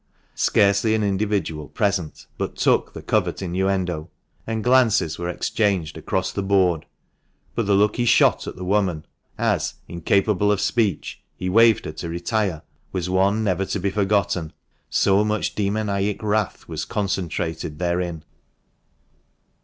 Scarcely an individual present but took the covert innuendo, and • glances were exchanged across the board ; but the look he shot at the woman as, incapable of speech, he waved her to retire, was one never to be forgotten, so much demoniac wrath was concentrated therein.